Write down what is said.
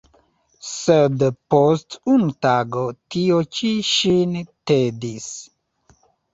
Sed post unu tago tio ĉi ŝin tedis.